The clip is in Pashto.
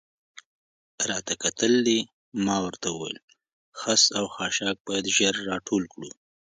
راته کتل دې؟ ما ورته وویل: خس او خاشاک باید ژر را ټول کړو.